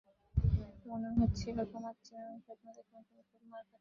মনে হচ্ছিলো ঘুমাচ্ছিলাম এবং স্বপ্ন দেখলাম তুমি খুব মার খাচ্ছো।